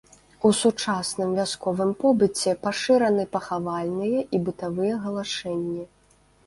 У сучасным вясковым побыце пашыраны пахавальныя і бытавыя галашэнні.